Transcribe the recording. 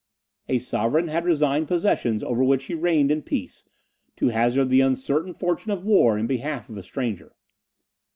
A sovereign had resigned possessions over which he reigned in peace, to hazard the uncertain fortune of war in behalf of a stranger.